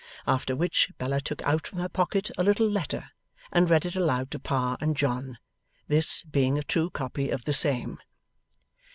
After which, Bella took out from her pocket a little letter, and read it aloud to Pa and John; this being a true copy of the same.